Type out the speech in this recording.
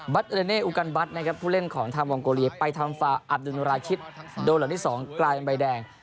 บัตรเรเน่อุกันบัตรนะครับผู้เล่นของทางมองโกเลียไปทางฝาอัพดินุราชิตโดรนที่๒กลายใบแดง